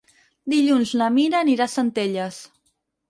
Dilluns na Mira anirà a Centelles.